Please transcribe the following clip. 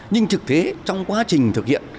nhưng thực thế trong quá trình thực hiện